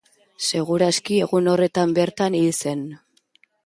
Segur aski egun horretan bertan hil zen.